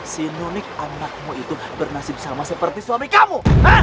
sinonik anakmu itu bernasib sama seperti suami kamu